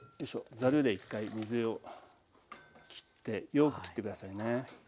ざるで１回水をきってよくきって下さいね。